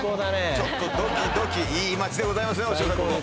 ちょっとドキドキいい街でございますねお師匠さん